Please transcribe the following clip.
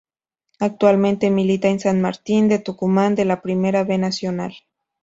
Actualmente milita en San Martín de Tucumán de la Primera B Nacional.